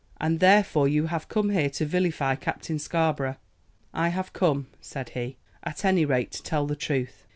"And therefore you have come here to vilify Captain Scarborough." "I have come," said he, "at any rate to tell the truth.